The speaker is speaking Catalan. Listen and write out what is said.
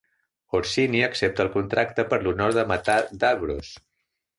Orcini accepta el contracte per l'honor de matar Davros.